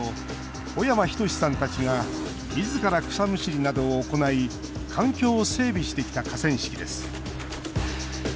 小山仁さんたちがみずから草むしりなどを行い環境を整備してきた河川敷です。